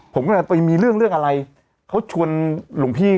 ผมก็แบบว่ามีเรื่องเค้าชวนลุงพี่